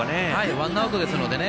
ワンアウトですのでね。